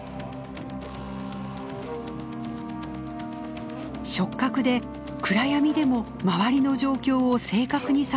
触覚で暗闇でも周りの状況を正確に探ることができます。